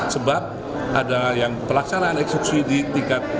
sebab ada yang pelaksanaan eksekusi di tingkat